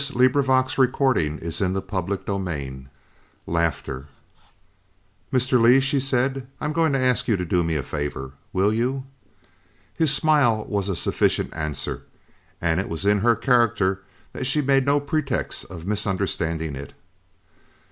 She had detained him with a gesture. CHAPTER VI LAUGHTER "Mr. Lee," she said, "I am going to ask you to do me a favour. Will you?" His smile was a sufficient answer, and it was in her character that she made no pretext of misunderstanding it.